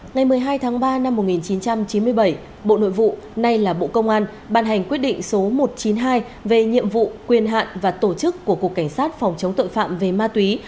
ngày một mươi hai tháng ba năm một nghìn chín trăm chín mươi bảy bộ nội vụ nay là bộ công an bàn hành quyết định số một trăm chín mươi hai về nhiệm vụ quyền hạn và tổ chức của cục cảnh sát phòng chống tội phạm về ma túy